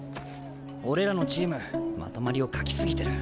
俺らのチームまとまりを欠き過ぎてる。